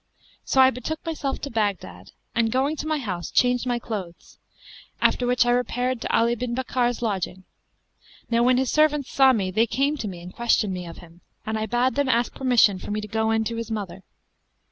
So I betook myself to Baghdad and, going to my house, changed my clothes; after which I repaired to Ali bin Bakkar's lodging. Now when his servants saw me, they came to me and questioned me of him, and I bade them ask permission for me to go in to his mother.